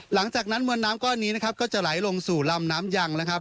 หลังจากนั้นมวลน้ำก้อนนี้นะครับก็จะไหลลงสู่ลำน้ำยังนะครับ